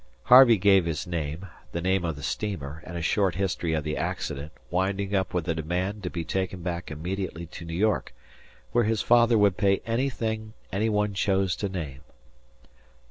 Harvey gave his name, the name of the steamer, and a short history of the accident, winding up with a demand to be taken back immediately to New York, where his father would pay anything any one chose to name.